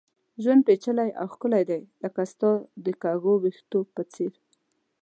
ژوند پېچلی او ښکلی دی ، لکه ستا د کږو ويښتو په څېر